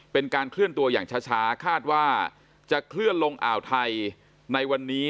เป็นการเคลื่อนตัวอย่างช้าคาดว่าจะเคลื่อนลงอ่าวไทยในวันนี้